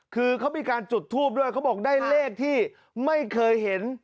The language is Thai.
คือเขามีการจุดทูปด้วยเขาบอกได้เลขที่ไม่เคยเห็น